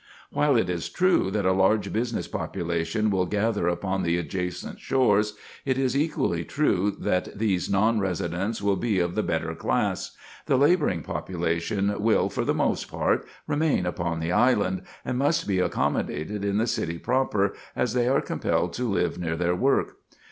While it is true that a large business population will gather upon the adjacent shores, it is equally true that these non residents will be of the better class. The laboring population will, for the most part, remain upon the island, and must be accommodated in the city proper, as they are compelled to live near their work.